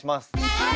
はい！